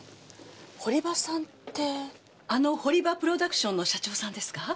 堀場さんってあの堀場プロダクションの社長さんですか？